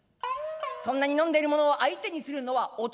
そんなに飲んでいるものを相手にするのは大人げない」。